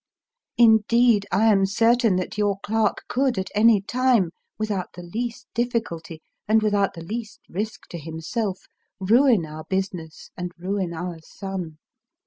Indeed, I am certain that your clerk could at any time, without the least difficulty, and without the least risk to himself, ruin our business and ruin our son.